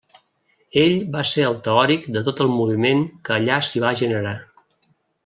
Ell va ser el teòric de tot el moviment que allà s'hi va generar.